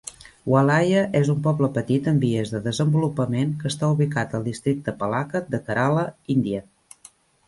Walayar és un poble petit en vies de desenvolupament que està ubicat al districte Pallakkad de Kerala, Índia.